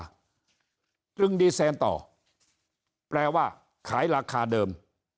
จึงดีเซนต่อแปลว่าขายราคาเดิม